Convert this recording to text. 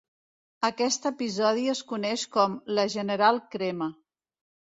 Aquest episodi es coneix com La General Crema.